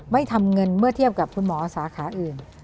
ไม่ทำเงินเมื่อเทียบกับคุณหมอสาขาอื่น